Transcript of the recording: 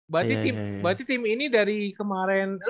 berarti tim ini dari kemarin